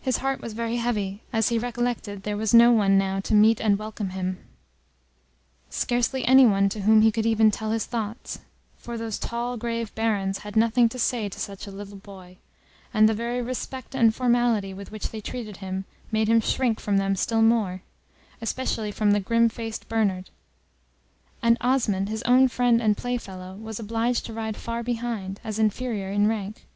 His heart was very heavy, as he recollected there was no one now to meet and welcome him; scarcely any one to whom he could even tell his thoughts, for those tall grave Barons had nothing to say to such a little boy, and the very respect and formality with which they treated him, made him shrink from them still more, especially from the grim faced Bernard; and Osmond, his own friend and playfellow, was obliged to ride far behind, as inferior in rank.